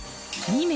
２名。